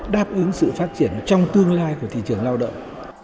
đáp ứng sự phát triển trong tương lai của thị trường lao động